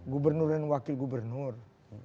gubernur dan wakil gubernur